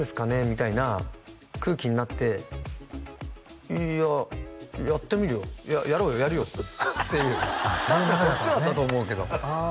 みたいな空気になって「いややってみるよ」「ややろうよやるよ」っていう確かそっちだったと思うけどあ